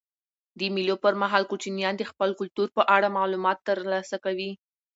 د مېلو پر مهال کوچنيان د خپل کلتور په اړه معلومات ترلاسه کوي.